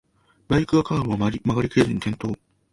バイクがカーブを曲がりきれずに転倒